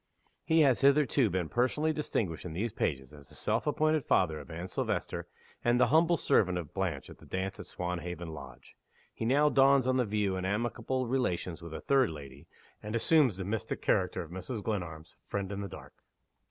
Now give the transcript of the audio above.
He has hitherto been personally distinguished in these pages as the self appointed father of Anne Silvester and the humble servant of Blanche at the dance at Swanhaven Lodge. He now dawns on the view in amicable relations with a third lady and assumes the mystic character of Mrs. Glenarm's "Friend in the Dark."